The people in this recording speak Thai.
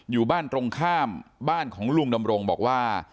อยู่บ้านตรงข้ามบ้านของลุงดำรงบอกว่า